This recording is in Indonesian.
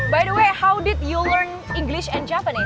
bagaimana kamu belajar inggris dan jepang